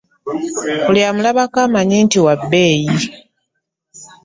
Buli amulabako amanya nti wa bbeeyi.